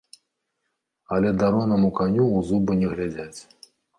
Але даронаму каню ў зубы не глядзяць.